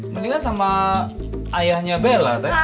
mendingan sama ayahnya bella